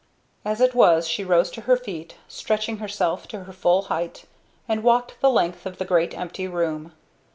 As it was she rose to her feet, stretching herself to her full height, and walked the length of the great empty room.